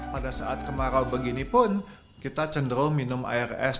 pada saat kemarau begini pun kita cenderung minum air es